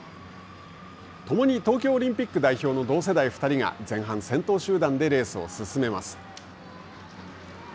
共に東京オリンピック代表の同世代２人が前半先頭集団でレースを進めます。